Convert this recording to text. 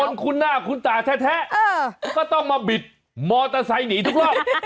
คุ้นหน้าคุ้นตาแท้ก็ต้องมาบิดมอเตอร์ไซค์หนีทุกรอบ